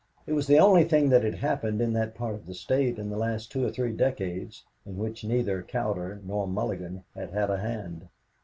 It was the only thing that had happened in that part of the State in the last two or three decades in which neither Cowder nor Mulligan had had a hand.